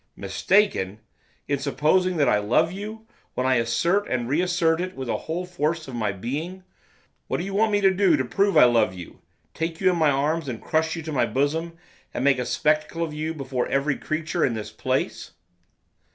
'Mistaken! in supposing that I love you! when I assert and reassert it with the whole force of my being! What do you want me to do to prove I love you, take you in my arms and crush you to my bosom, and make a spectacle of you before every creature in the place?